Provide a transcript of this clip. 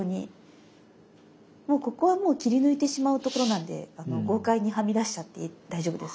もうここはもう切り抜いてしまうところなんで豪快にはみ出しちゃって大丈夫です。